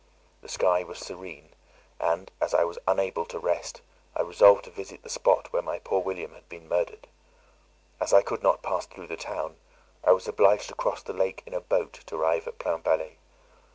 The sky was serene; and, as I was unable to rest, I resolved to visit the spot where my poor William had been murdered. As I could not pass through the town, I was obliged to cross the lake in a boat to arrive at Plainpalais.